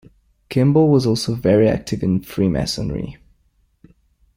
Kimball was also very active in Freemasonry.